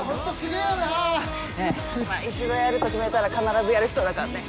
一度やると決めたら必ずやる人だからね。